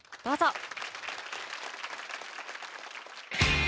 どうぞ。